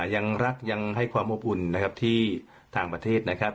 ยังรักยังให้ความอบอุ่นนะครับที่ต่างประเทศนะครับ